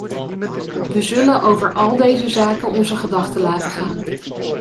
We zullen over al deze zaken onze gedachten laten gaan.